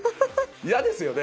嫌ですよね。